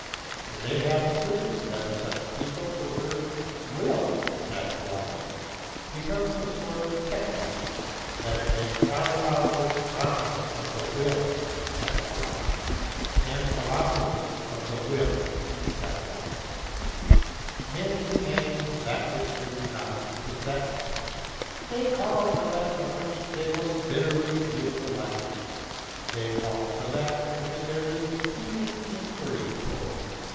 It may happen, too, that for such a people the word Will becomes a sort of catchword, that it may cry aloud with dramas of the Will and philosophies of the Will. Men demand that which they do not possess; they call for that of which they most bitterly feel the lack; they call for that which there is the keenest inquiry for.